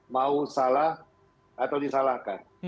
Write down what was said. mau salah atau disalahkan